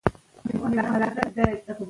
که پوهه وي نو تیاره نه خپریږي.